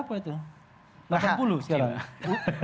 kalau tujuh puluh an usianya berapa itu delapan puluh sekarang